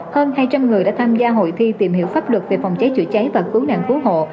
hơn hai trăm linh người đã tham gia hội thi tìm hiểu pháp luật về phòng cháy chữa cháy và cứu nạn cứu hộ